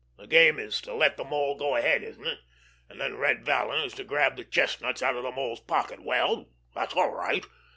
The game is to let the Mole go ahead, isn't it, and then Red Vallon is to grab the chestnuts out of the Mole's pocket? Well, that's all right!